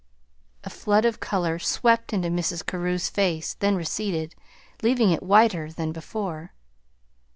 A flood of color swept into Mrs. Carew's face, then receded, leaving it whiter than before.